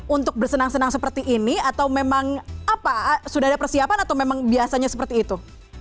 untuk bersenang senang seperti ini atau memang apa sudah ada persiapan atau memang biasanya seperti itu